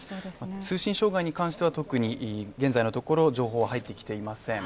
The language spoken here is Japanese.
通信障害に関しては特に現在のところ情報は入ってきていません。